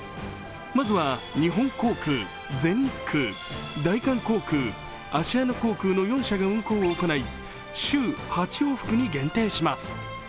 まずは日本航空、全日空、大韓航空、アシアナ航空の４社が運航を行い週８往復に限定します。